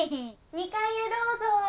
・２階へどうぞ。